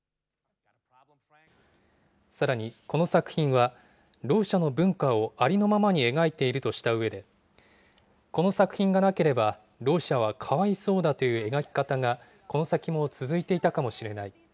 さらにこの作品は、ろう者の文化をありのままに描いているとしたうえで、この作品がなければ、ろう者はかわいそうだという描き方がこの先も続いていたかもしれない。